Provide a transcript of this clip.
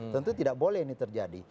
tentu tidak boleh ini terjadi